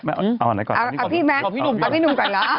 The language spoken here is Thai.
เอาพี่หนุ่มก่อน